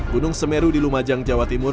gunung semeru di lumajang jawa timur